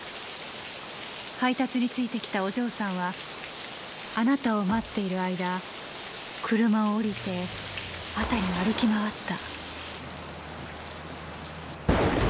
配達についてきたお嬢さんはあなたを待っている間車を降りて辺りを歩き回った。